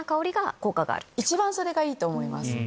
一番それがいいと思います。